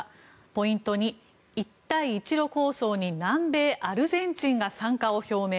ポイント２、一帯一路構想に南米アルゼンチンが参加を表明。